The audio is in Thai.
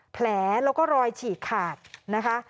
แผลแล้วก็รอยฉีกขาดนะคะ